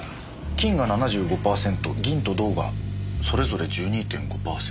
金が７５パーセント銀と銅がそれぞれ１２．５パーセント。